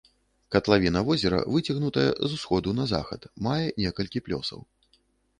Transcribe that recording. Катлавіна возера, выцягнутая з усходу на захад, мае некалькі плёсаў.